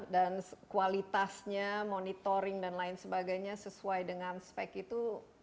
dan kualitasnya monitoring dan lain sebagainya sesuai dengan spek itu